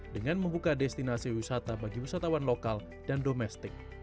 dengan membuka destinasi wisata bagi wisatawan lokal dan domestik